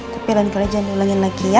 tapi lain kali jangan diulangin lagi ya